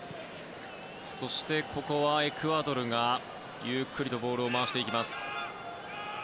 そしてここはエクアドルがゆっくりとボールを回します。